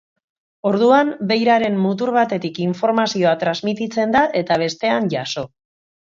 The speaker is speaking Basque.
Orduan, beiraren mutur batetik informazioa transmititzen da eta bestean jaso.